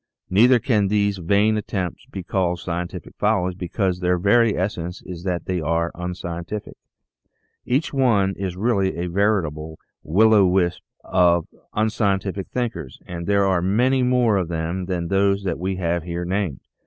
Neither can these vain attempts be called scientific follies because their very essence is that they are unscientific. Each one is really a veritable " Will o' the Wisp " for unscientific thinkers, and there are many more of them than those that we have here named.